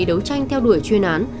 đấu tranh theo đuổi chuyên án